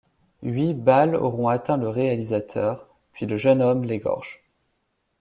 Huit balles auront atteint le réalisateur, puis le jeune homme l'égorge.